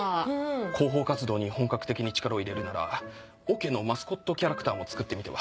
広報活動に本格的に力を入れるならオケのマスコットキャラクターも作ってみては。